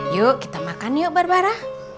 yuk kita makan yuk barbara